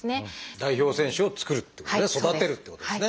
代表選手を作るっていうこと育てるっていうことですね。